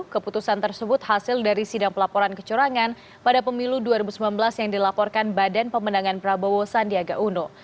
keputusan tersebut hasil dari sidang pelaporan kecurangan pada pemilu dua ribu sembilan belas yang dilaporkan badan pemenangan prabowo sandiaga uno